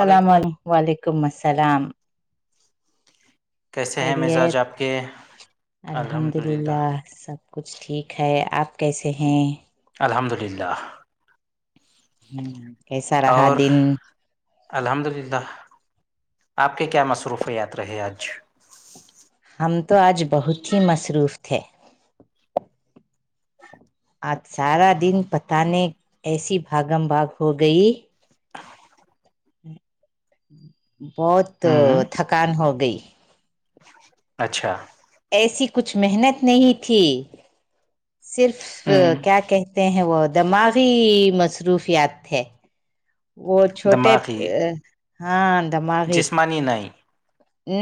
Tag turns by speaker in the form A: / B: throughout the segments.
A: سلام
B: وعلیکم
A: عل و علیکم السلام
B: کیسے ہیں مزاج
A: خیریت
B: آپ کے
A: الحمد للہ سب کچھ ٹھیک ہے آپ کیسے ہیں
B: الحمد للہ
A: ہوں کیسا رہا
B: اور
A: دن
B: الحمد للہ آپ کے کیا مصروفیات رہے آج
A: ہم تو آج بہت ہی مصروف تھے آج سارا دن پتہ نہیں ایسی بھاگم بھاگ ہو گئی بہت
B: ہوں
A: تھکان ہو گئی
B: اچھا
A: ایسی کچھ محنت نہیں تھی صرف
B: ہوں
A: کیا کہہ تے ہیں وہ دماغی مصروفیات تھے وہ چھوٹے ا
B: دماغی
A: ہاں داماغی
B: جسمانی نہیں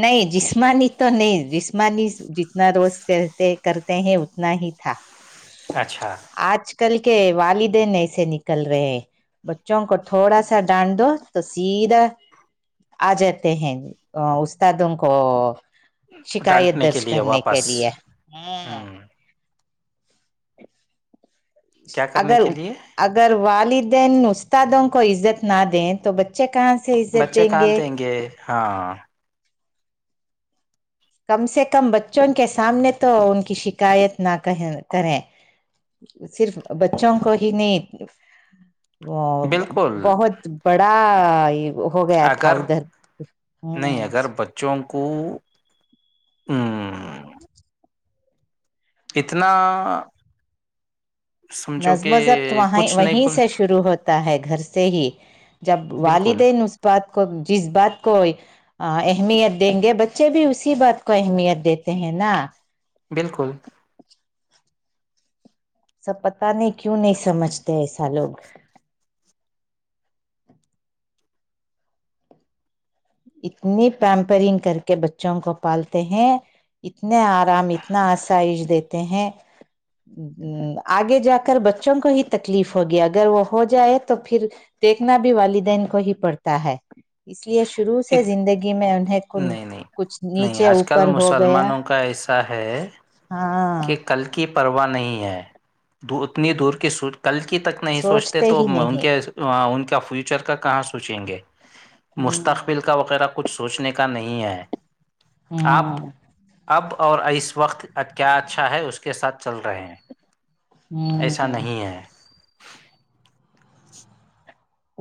A: نہیں جسمانی تو نہیں جسمانی جتنا روز کہتے کرتے ہیں اتنا ہی تھا
B: اچھا
A: آج کل کے والدین ایسے نکل رہے ہیں بچوں کو تھوڑا سا ڈانڈ دو تو سیدھا آ جاتے ہیں استادوں کو شکایت
B: ڈانٹنے
A: درج
B: کے لیے
A: کرنے کے
B: واپس
A: لیے ہاں
B: ہوں کیا کرنے
A: اگر
B: کے لیے
A: اگر والدین استادوں کو عزت نہ دیں تو بچ چے کہاں سے عزت دیں گے
B: ہاں
A: کم سے کم بچوں کے سامنے تو ان کی شکایت نہ کہیں کریں صرف بچوں کو ہی نیت ا
B: بالکل
A: بہت بڑا ہو گیا تھا
B: اگر
A: ادھر ہوں
B: چونکو او اتنا سمجھو
A: نظم
B: کہ
A: و ضبط وہیں
B: کچھ نہیں
A: وہیں
B: بول
A: سے شروع ہوت ہے گھر سے ہی جب
B: بالکل
A: والدین اس بات کو جس بات کو اہمیت دیں گے بچے بھی اسی بات کو اہمیت دیتے ہیں نا
B: بالکل
A: سب پتہ نہیں کیوں نہیں سمجھتے ایسا لوگ اتنی پیمپرنگ کر کے بچوں کو پالتے ہیں اتنے آرام اتنا آسائش دیتے ہیں آگے جا کر بچوں کو ہی تکلیف ہوگی اگر وہ ہو جائے تو پھر دیکھنا بھی والدین کو ہی پڑتا ہے اس لیے شروع سے زندگی میں انہیں
B: نہیں نہیں
A: کچھ
B: نہیں
A: نیچے
B: آج کل
A: اوپر ہو گیا
B: مسلمانوں کا ایسا ہے
A: ہاں
B: کہ کل کی پرواہ نہیں ہے اتنی دور کی سو کل کی تک نہیں سوچتے تو
A: ہی
B: ان
A: نہیں
B: کے ان کا فیوچر کا کہاں سوچیں گے
A: ہمم
B: تخبل کا وغیرہ کچھ سوچنے کا نہیں ہے
A: ہوں
B: اب اور اس وقت کیا اچھا ہے اس کے ساتھ چل رہے ہیں ایسا
A: ہوں
B: نہیں ہے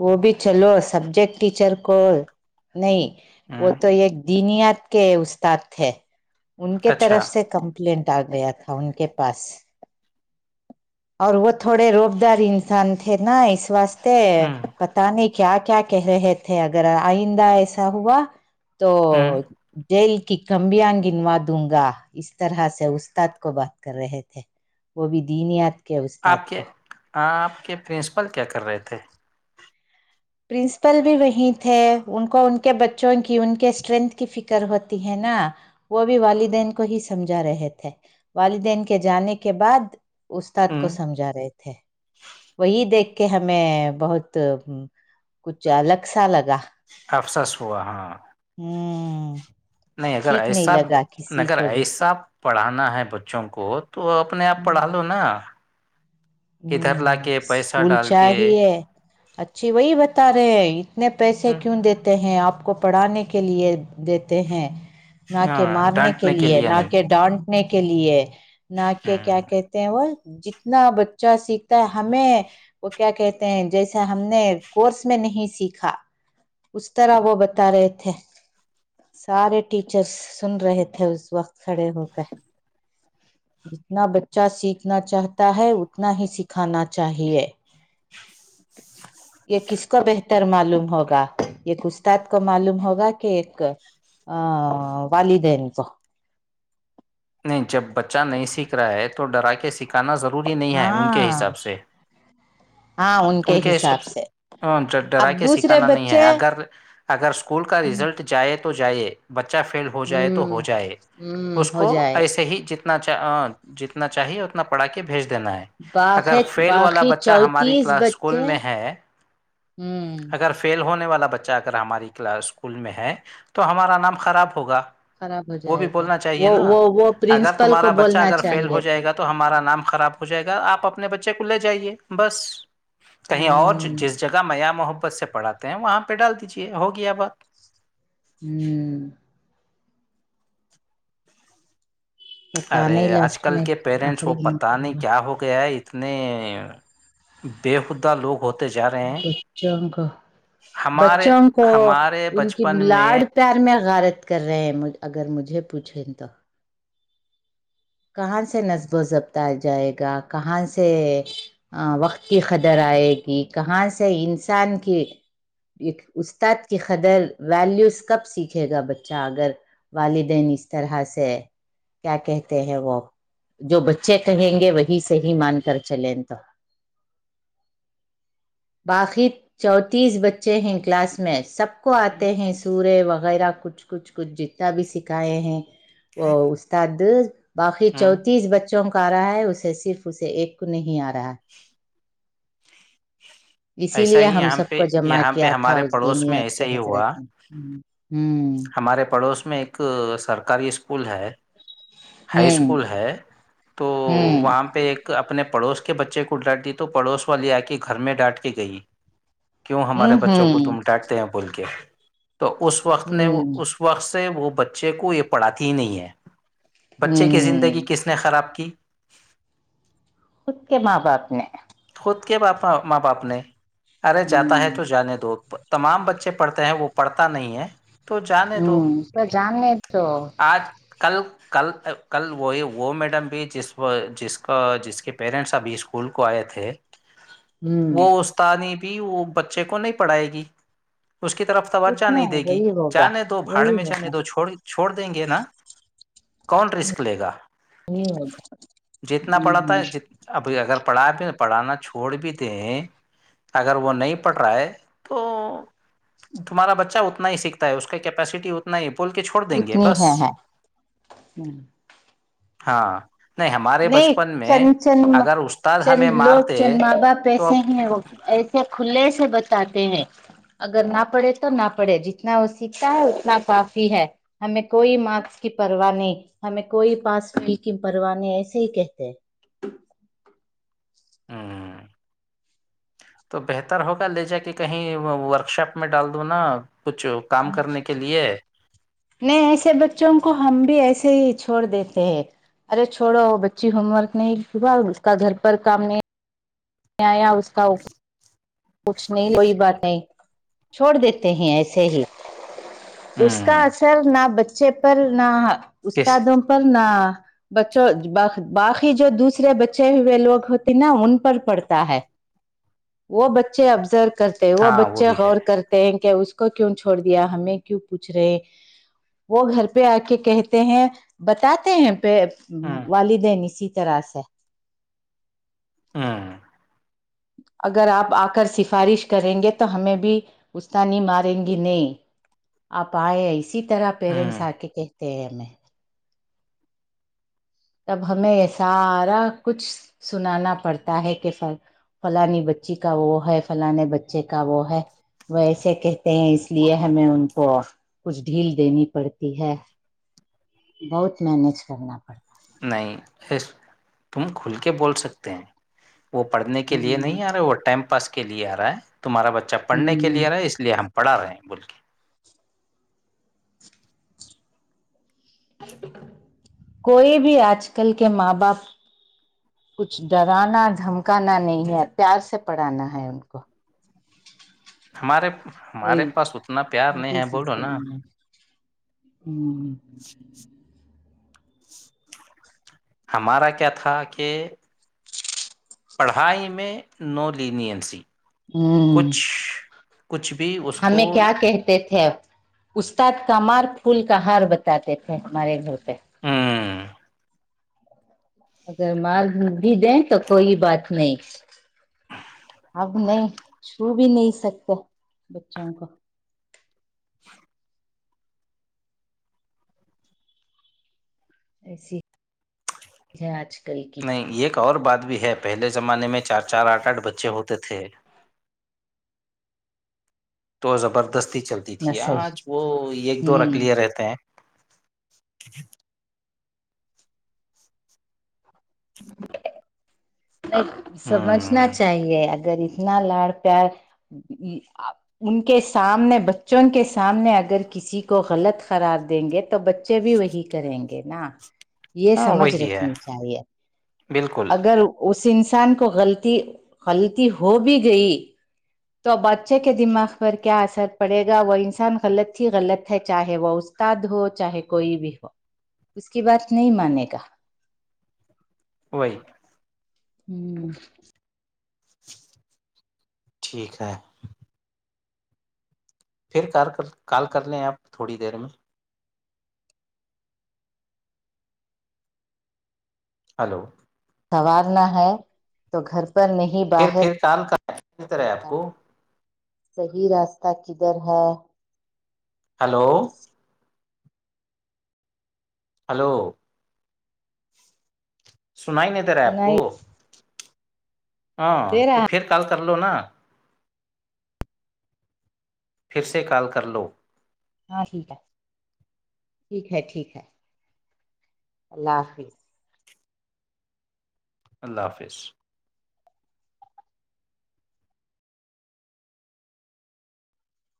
A: وہ بھی چلو سبجیکٹ ٹیچر کو نہیں وہ
B: ہ
A: تو ایک دینیات کے استاد تھے ان کے
B: اچھا
A: طرف سے کم پلینٹ آ گیا تھا ان کے پاس اور وہ تھوڑے روب دار انسان تھے نا اس واسطے
B: ہ
A: پتا نہیں کیا کیا کہہ رہے تھے اگر آئندہ ایسا ہوا تو جیل کی کمبیاں گنوا دوں گا اس طرح سے استاد کو بات کر رہے تھے وہ بھی دینیات کے
B: آپ
A: استاد کو
B: کے آپ کے پرنسپل کیا کر رہے تھے
A: پرنسپل بھی وہیں تھے ان کو ان کے بچوں کی ان کے اسٹرینتھ کی فکر ہوتی ہے نا وہ بھی والدین کو ہی سمجھا رہے تھے والدین کے جانے کے بعد استاد کو سمجھا رہے تھے وہی دیکھ کے ہمیں بہت کچھ الگ سا لگا
B: افسس ہوا ہاں
A: ہوں
B: نہیں اگر
A: ٹھیک نہیں
B: ایسا
A: لگا کسی
B: ناگر
A: کو بھی
B: ایسا پڑھانا ہے بچوں کو تو اپنے آپ پڑھا لو نا ادھر لا
A: ہوں
B: کے پیسہ
A: اسکول
B: ڈال کے
A: چاہیے اچھی وہی بتا رہے ہیں اتنے پیسے
B: ہوں،
A: کیوں دیتے ہیں آپ کو پڑانے کے لیے دیتے ہیں نہ کہ
B: ہاں
A: مارنے کے
B: ڈانٹنے
A: لیئے
B: لیے
A: نہ
B: نہیں
A: کہ ڈانٹ نے کے لیے نہ کہ کیا
B: ہ
A: کہتے ہیں وہ جتنا چا سیکھتا ہے ہمیں وہ کیا کہتے ہیں جیسا ہم نے کورس میں نہیں سیکھا اس طرح وہ بتا رہے تھے سارے ٹیچرس سن رہے تھے اس وقت کھڑے ہو کر جتنا بچہ سیکھنا چاہتا ہے اتنا ہی سکھانا چاہیے یہ کس کو بہتر معلوم ہوگا یہ استاد کو معلوم ہوگا کہ ایک آآ والدین کو
B: نہیں جب بچہ نہیں سیکھ رہا ہے تو ڈرا کے سکھانا ضروری نہیں ہے ان کے
A: ہاں
B: حساب سے
A: ہاں ان کے حساب سے
B: ڈرا
A: اب
B: کے
A: دوسرے
B: سکھانا نہیں ہے
A: بچے
B: اگر اگر اسکول کا
A: ہوں
B: ریزلٹ جائے تو جائے بچہ فیل ہو جائے تو ہو جائے
A: ہوں
B: اس
A: ہو
B: کو
A: جائے
B: ایسے ہی جت چ جتنا چاہیے اتنا پڑھا کے بھیج دینا ہے
A: باق
B: اگر فیل والا
A: باقی
B: بچہ ہماری
A: چونتیس
B: کلاس اسکول
A: بچے
B: میں ہے
A: ہوں
B: اگر پھر فیل ہونے والا بچہ اگر ہماری کلاس اسکول میں ہے تو ہمارا نام خراب ہوگا
A: خراب ہو
B: وہ بھی
A: جائے گا
B: بولنا
A: وہ
B: چاہیے نا
A: وہ وہ
B: اگر
A: پرنسپل کو
B: تمہارا بچہ
A: بولنا
B: اگر فیل ہو
A: چاہیے تھا
B: جائے گا تو ہمارا نام خراب جائے گا آپ اپنے بچے کو لے جائیے بس کہیں اور
A: ہوں
B: جس جگہ معیاں محبت سے پڑھاتے ہیں وہاں پہ ڈال دیجیے ہو گیا بات
A: ہوں پتا
B: ارے
A: نہیں
B: آج
A: لاسٹ
B: کل
A: میں
B: کے پیرنٹس کو
A: آخری میں
B: پتہ نہیں
A: ہوا۔
B: کیا ہو گیا ہے نہیں دیوتا دو ہو
A: بچوں کو
B: ہمارے
A: بچوں کو
B: ہمارے
A: ان کی
B: بچپن میں
A: لاڈ پیار میں غارت کر رہے ہیں اگر مجھے پوچھیں تو کہاں سے نصب و ضبط آ جائے گا کہاں سے وقت کی قدر آیگی کہاں سے انسان کی ایک استاد کی قدر ویلیوز کب سیکھے گا بچہ اگر والدین اس طرح سے کیا کہتے ہیں وہ جو بچے کہیں گے وہی صحیح مان کر چلیں تو باقی چونتیس بچے ہیں کلاس میں سب کو آتے ہیں سورہ وغیرہ کچھ کچھ کچھ جتنا بھی سکھائے ہیں وہ استاد باقی
B: ہوں
A: چونتیس بچوں کا آ رہا ہے اسے صرف اسے ایک کو نہیں آ رہا ہے اسی
B: ایسا
A: لیے
B: ہی
A: ہم سب کو جمع
B: یہاں پہ
A: کیا تھا
B: ہمارے
A: اس دن
B: پڑوس میں
A: یاد کے
B: ایسا ہی ہوا
A: حضرت نے ہوں
B: ہمارے پڑوس میں ایک سرکاری اسکول ہے
A: ہوں
B: ہائی
A: ہوں
B: اسکول ہے تو
A: ہوں
B: وہاں پہ ایک اپنے پڑوس کے بچے کو ڈانٹ دی تو پڑوس والی آ کے گھر میں ڈانٹ کے گئی کیوں ہمارے بچوں کو
A: ہوں
B: تم ڈانٹتے ہیں بول کے تو اس وقت نے وہ
A: ہوں
B: اس وقت سے وہ بچے کو یہ پڑھاتی ہی نہیں ہے بچے کی
A: ہوں
B: زندگی کس نے خراب کی
A: خود کے ماں باپ نے
B: خود کے باپا ماں باپ نے ارے جاتا
A: ہوں
B: ہے تو جانے دو تمام بچے پڑھتے ہیں وہ پڑھتا نہیں ہے تو جانے دو
A: ہوں تو جاننے تو
B: آج کل کل کل وہی وہ میڈم بھی جس جس کو جس کے پیرنٹس ابھی اسکول کو آئے تھے ہے
A: ہوں
B: وہ استانی بھی وہ بچے کو نہیں پڑھائے گی اس کی طرف توجہ
A: اتنا
B: نہیں
A: ہے
B: دے گی
A: وہی ہوگا
B: جانے دو بھاڑ
A: وہی
B: میں
A: ہوگا
B: جانے دو چھوڑ چھوڑ دیں گے نا کون رسک لے گا جتنا
A: اتنی
B: پڑھاتا ہے ج ابھی اگر پڑھا بھی پڑھانا چھوڑ بھی دیں اگر وہ نہیں پڑھ رہا ہے تو تمہارا بچہ اتنا ہی سکھتا ہے اس کی کپیسٹی نہیں پول کے چھوڑ دیں گے
A: ہے
B: بس
A: ہے
B: ہاں نہیں ہمارے
A: نہیں
B: بچپن میں
A: چند چند
B: اگر استاد ہمیں
A: چند لوگ
B: مارتے
A: چند ماں باپ
B: تو
A: ایسے وہ ایسے کھلے سے بتاتے ہیں اگر نہ پڑھے تو نہ پڑھے جتنا وہ سیکھتا ہے اتنا کافی ہے ہمیں کوئی مارکس کی پرواہ نہیں ہمیں کوئی پاس فیل کی پرواہ نہیں ایس تی کہتے ہیں
B: ہوں تو بہتر ہوگا لے جا کے کہیں ورک شاپ میں ڈال دو نا کچھ کام کرنے کے لیے
A: نہیں ایسے بچوں کو ہم بھی ایسے ہی چھوڑ دیتے ہیں ارے چھوڑو بچی ہوم ورک نہیں ہوا اس کا گھر پر کام نہیں نیں اوس کااؤ کچھ نہیں کوئی بات نہیں چھوڑ دیتے ہیں ایسے ہی اس کا
B: ہوں
A: اثر نہ بچے پر نہ
B: کس
A: استادوں پر نہ بچوں باقی جو دوسرے بچے ہوئے لوگ ہوتے نا ان پر پڑھتا ہے وہ بچے ابزرو کرتے وہ
B: ہاں
A: بچے
B: بھی
A: غور
B: ہے
A: کرتے کہ اس کو کیوں چھوڑ دیا ہمیں کیوں پوچھ رہے ہیں وہ گھر پہ آ کے کہتے ہیں بتاتے ہیں پ
B: ہ
A: والدین اسی طرح سے
B: ہوں
A: اگر آپ آ کر سفارش کریں گے تو ہمیں بھی استانی ماریں گی نہیں آپ آئے اسی اس طرح
B: ہ
A: پیرنٹس آکے کہتے ہیں تب ہمیں یہ سارا کچھ سنانا پڑتا ہے کہ سنگ فلانی بچی کا وہ ہے فلانے بچے کا وہ ہے وہ ایسے کہتے ہیں اس لیے ہمیں ان کو اب کچھ ڈھیل دینی پڑتی ہے بہت مینج کرنا پڑتا
B: نہیں قسط تم کھل کے بول سکتے ہو وہ پڑھنے کے لیے
A: ہ
B: نہیں آرہا وہ ٹائم پاس کے لیے آ رہا ہے تمہارا بچہ جب پڑھنے کے لیے
A: ہ
B: آرہے اس لیے ہم پڑھا رہے ہیں بول کے
A: کوئی بھی آج کل کے ماں باپ کچھ ڈرانا دھمکانا نہیں ہے پیار سے پڑانا ہے ان کو
B: ہمارے ہمارے
A: یہی
B: پاس اتنا پیار نہیں ہے بولو نا
A: امم
B: ہمارا کیا تھا کہ پڑھائی میں نو لینینسی
A: ہ
B: کچھ کچھ بھی اس کو
A: ہمیں کیا کہتے تھے اب استاد کا مار پھول کا ہار بتاتے تھے ہمارے گھر پہ
B: ہ
A: اگر مار و بھی دیں تو کوئی بات نہیں اب نہیں چھو بھی نہیں سکتے بچوں کو ایسی آج کل کی
B: نہیں ایک اور بات بھی ہے پہلے زمانے میں چار چار آٹھ آٹھ بچے ہوتے تھے تو زبردستی چلتی تھی
A: نسل
B: آج وہ ایک دو
A: ہوں
B: رکلیے رہتے ہیں
A: سمجھنا
B: ہ
A: چاہیے اگر اتنا لاڑ پیار ان کے سامنے بچوں کے سامنے اگر کسی کو غلط قرار دیں گے تو بچے بھی وہی کریں گے نا یہ
B: ہاں
A: سمجھ
B: وہی ہے
A: رکھنی چاہیے
B: بالکل
A: اگر اس انسان کو غلطی غلطی ہو بھی گئی تو بچے کے دماغ پر کیا اثر پڑے گا وہ انسان غلط ہی غلط ہے چاہے وہ استاد ہو چاہے کوئی بھی ہو اس کی بات نہیں مانے گا
B: وہی
A: ہ
B: ٹھیک ہے پھر کار کر کال کر لیں آپ تھوڑی دیر میں ہلو
A: سنوارنا ہے تو گھر پر نہیں
B: پھر
A: باہر
B: پھر کال کرنا ہے آپ کو
A: صحیح راستہ کدھر ہے
B: ہلو ہلو سناںی نہیں دے رہا آپ کو
A: سنائی
B: ہاں
A: دے
B: تو
A: رہا
B: پھر کال کر لو نا پھر سے کال کر لو
A: ہاں ٹھیک ہے ٹھیک ہے ٹھیک ہے اللہ حافظ
B: اللہ حافظ